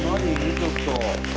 ちょっと。